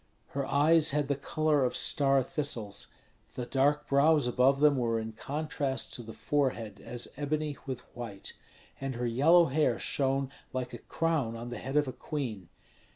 Her eyes had the color of star thistles; the dark brows above them were in contrast to the forehead as ebony with white, and her yellow hair shone like a crown on the head of a queen.